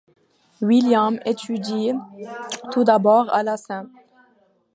Williams étudie tout d'abord à la St.